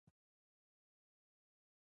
د کلیزو منظره د افغانستان د اقتصاد برخه ده.